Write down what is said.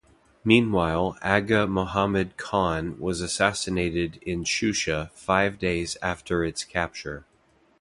Meanwhile Agha Mohammad Khan was assassinated in Shusha five days after its capture.